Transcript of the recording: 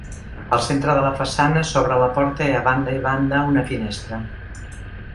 Al centre de la façana s'obre la porta i a banda i banda una finestra.